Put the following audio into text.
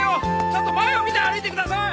ちゃんと前を見て歩いてください！